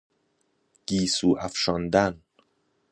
گیسو افشاندن